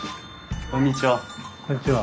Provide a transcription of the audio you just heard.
こんにちは。